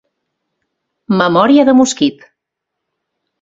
Memòria de mosquit.